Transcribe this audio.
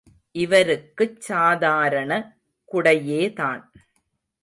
இவருக்குச் சாதாரண குடையேதான்.